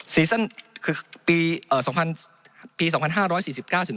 ซีซั่นคือ